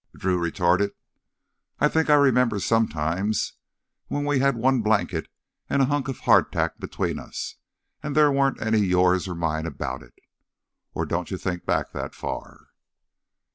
Drew retorted. "I think I remember me some times when we had one blanket and a hunk of hardtack between us, and there weren't any 'yours' or 'mine' about it! Or don't you think back that far?"